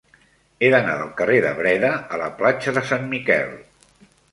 He d'anar del carrer de Breda a la platja de Sant Miquel.